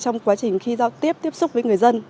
trong quá trình khi giao tiếp tiếp xúc với người dân